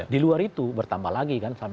di luar itu bertambah lagi kan